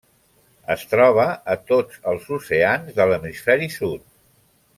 Es troba a tots els oceans de l'hemisferi sud.